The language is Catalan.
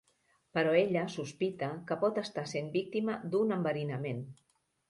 Però ella sospita que pot estar sent víctima d'un enverinament.